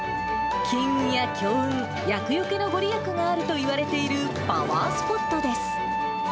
金運や強運、厄よけの御利益があるといわれているパワースポットです。